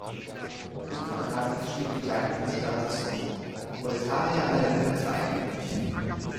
Unten am Rand steht in kleinen Buchstaben das Motto "Proletarier aller Länder, vereinigt euch!